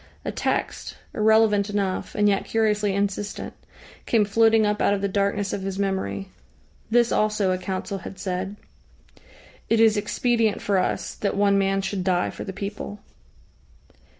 A text, irrelevant enough, and yet curiously insistent, came floating up out of the darkness of his memory. This also a Council had said: "It is expedient for us that one man should die for the people."